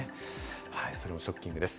それもショッキングです。